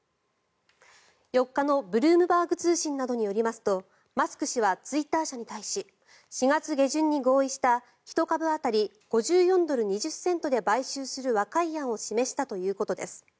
４日のブルームバーグ通信などによりますとマスク氏はツイッター社に対し４月下旬に合意した１株当たり５４ドル２０セントで買収する和解案を示したということです。